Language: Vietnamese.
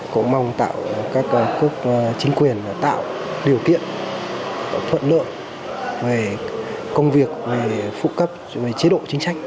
cũng mong các chính quyền tạo điều kiện thuận lượng về công việc về phụ cấp về chế độ chính trách